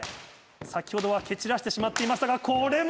先ほどは蹴散らしてしまっていましたがこれも！